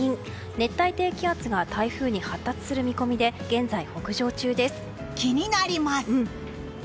熱帯低気圧が台風に発達する見込みで気になります！